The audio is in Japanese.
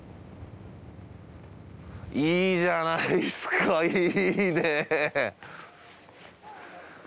いいじゃないですかいいね。